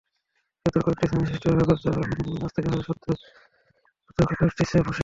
সেতুর কয়েকটি স্থানে সৃষ্টি হওয়া গর্তে অস্থায়ীভাবে সওজ কর্তৃপক্ষ কয়েকটি স্ল্যাব বসিয়েছে।